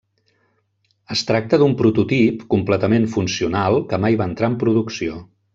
Es tracta d'un prototip completament funcional que mai va entrar en producció.